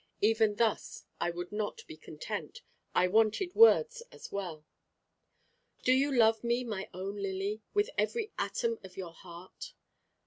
Even thus I would not be content. I wanted words as well. "Do you love me, my own Lily, with every atom of your heart?"